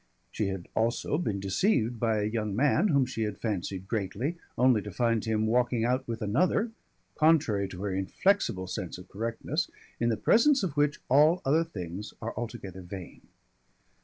She had also been deceived by a young man, whom she had fancied greatly, only to find him walking out with another contrary to her inflexible sense of correctness in the presence of which all other things are altogether vain.